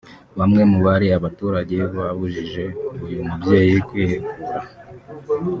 Bamwe muri aba baturage babujije uyu mubyeyi kwihekura